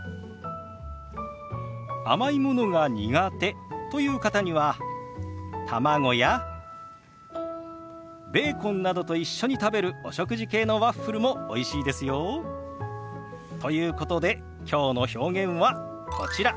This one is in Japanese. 甘いものが苦手という方には卵やベーコンなどと一緒に食べるお食事系のワッフルもおいしいですよ。ということできょうの表現はこちら。